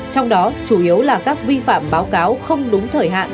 trong đó chủ yếu là các vi phạm báo cáo không đúng thời hạn